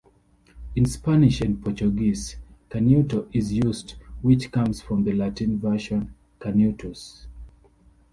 In Spanish and Portuguese Canuto is used which comes from the Latin version Canutus.